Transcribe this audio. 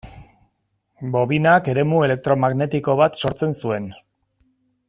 Bobinak eremu elektromagnetiko bat sortzen zuen.